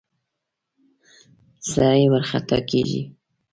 سړی ورخطا کېږي.